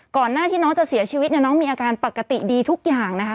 ก่อนหน้าที่น้องจะเสียชีวิตเนี่ยน้องมีอาการปกติดีทุกอย่างนะคะ